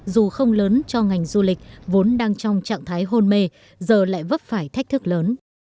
dù không lớn cho ngành du lịch vốn đang trong trạng thái hôn mê giờ lại vấp phải thách thức lớn